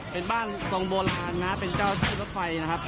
เป็นบ้านทรงโบราณนะเป็นเจ้าที่รถไฟนะครับ